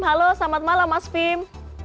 halo selamat malam mas vim